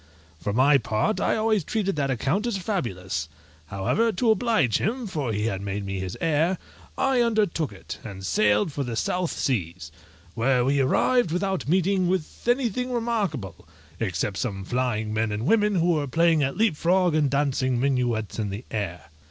For my part I always treated that account as fabulous: however, to oblige him, for he had made me his heir, I undertook it, and sailed for the South seas, where we arrived without meeting with anything remarkable, except some flying men and women who were playing at leap frog, and dancing minuets in the air.